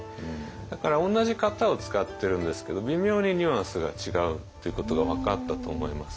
だから同じ型を使ってるんですけど微妙にニュアンスが違うっていうことが分かったと思います。